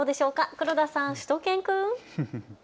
黒田さん、しゅと犬くん。